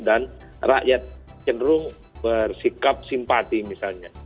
dan rakyat cenderung bersikap simpati misalnya